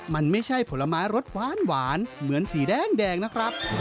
มันไม่ใช่ผลไม้รสหวานเหมือนสีแดงนะครับ